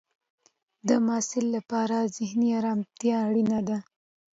د محصل لپاره ذهنی ارامتیا اړینه ده.